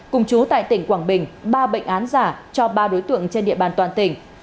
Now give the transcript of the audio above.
cùng chú tại tỉnh quảng bình ba bệnh án giả cho ba đối tượng trên địa bàn toàn tỉnh